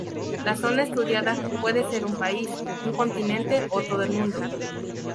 La zona estudiada puede ser un país, un continente o todo el mundo.